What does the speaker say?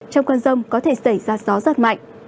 trong cơn rông có thể xảy ra gió rất mạnh